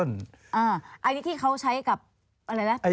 อันนี้ที่เขาใช้กับอะไรนะ